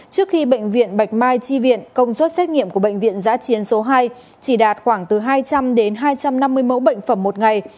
trước khi bệnh viện bạch mai chi viện công suất xét nghiệm của bệnh viện giã chiến số hai chỉ đạt khoảng từ hai trăm linh đến hai trăm năm mươi mẫu bệnh phẩm một ngày